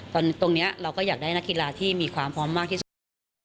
ตรงนี้เราก็อยากได้นักกีฬาที่มีความพร้อมมากที่สุด